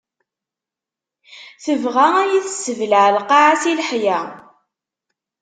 Tebɣa ad iyi-tessebleɛ lqaɛa si leḥya.